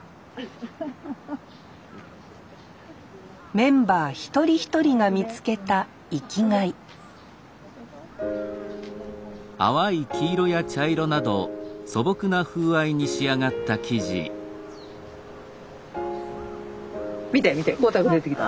メンバー一人一人が見つけた生きがい見て見て光沢出てきた。